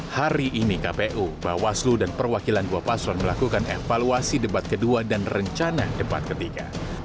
hari ini kpu bawaslu dan perwakilan dua paslon melakukan evaluasi debat kedua dan rencana debat ketiga